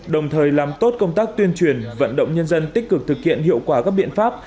đồng thời làm tốt công tác tuyên truyền vận động nhân dân tích cực thực hiện hiệu quả các biện pháp